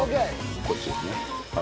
こっちですね。